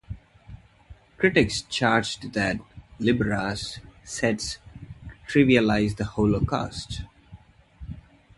Critics charged that Libera's sets trivialize the Holocaust.